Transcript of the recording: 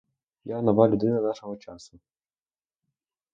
Я — нова людина нашого часу.